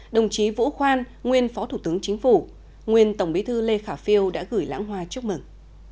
đồng chí vũ khoan nguyên phó thủ tướng chính phủ nguyên tổng bí thư lê khả phiêu đã gửi lãng hoa chúc mừng